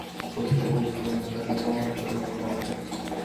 এর কয়েক ঘণ্টা পর কায়রোর কাছে দ্বিতীয় দফায় শক্তিশালী বিস্ফোরণ ঘটানো হয়।